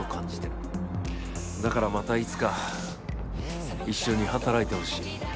だからまたいつか一緒に働いてほしい。